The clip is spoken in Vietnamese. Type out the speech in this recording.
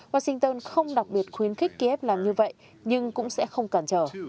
washington không đặc biệt khuyến khích kiev làm như vậy nhưng cũng sẽ không cản trở